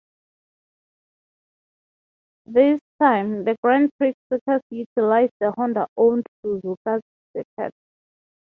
This time, the Grand Prix circus utilised the Honda owned Suzuka Circuit.